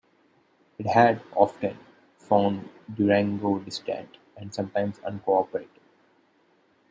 It had often found Durango distant and sometimes uncooperative.